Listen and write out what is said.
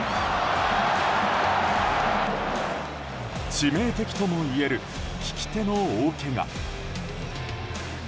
致命的ともいえる利き手の大けが。